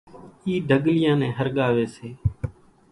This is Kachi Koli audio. اِِي ڍڳليان نين ۿرڳاوي سي،